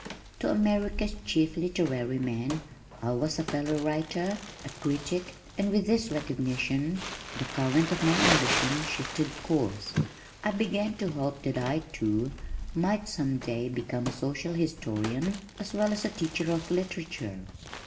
To America's chief literary man I was a fellow writer, a critic, and with this recognition the current of my ambition shifted course. I began to hope that I, too, might some day become a social historian as well as a teacher of literature.